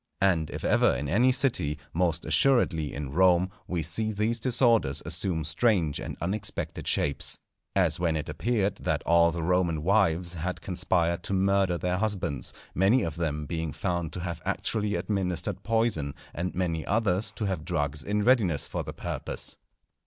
And if ever in any city, most assuredly in Rome, we see these disorders assume strange and unexpected shapes. As when it appeared that all the Roman wives had conspired to murder their husbands, many of them being found to have actually administered poison, and many others to have drugs in readiness for the purpose.